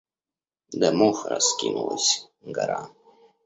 Домов раскинулась гора.